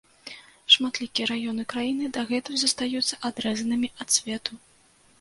Шматлікія раёны краіны дагэтуль застаюцца адрэзанымі ад свету.